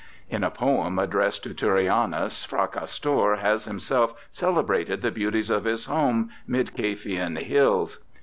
In a poem addressed to Turrianus, Fracastor has himself celebrated the beauties of his home 'mid Caphian hills'.